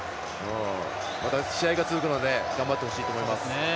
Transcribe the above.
まだ試合が続くので頑張ってほしいと思います。